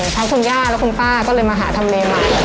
ทั้งคุณย่าและคุณป้าก็เลยมาหาทำเลใหม่